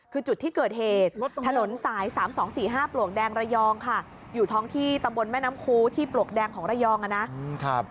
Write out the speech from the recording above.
คือจุดที่เกิดเหตุถนนสาย๓๒๔๕ปลวกแดงระยองค่ะอยู่ท้องที่ตำบลแม่น้ำคูที่ปลวกแดงของระยองนะครับ